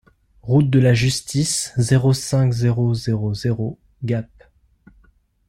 Route de la Justice, zéro cinq, zéro zéro zéro Gap